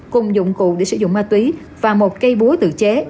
cùng dụng cụ để sử dụng ma túy và một cây búa tự chế